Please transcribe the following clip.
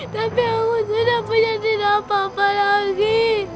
tapi aku sudah punya diri apa apa lagi